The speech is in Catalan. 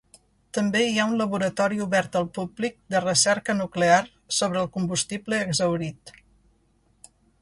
També hi ha un laboratori obert al públic de recerca nuclear sobre el combustible exhaurit.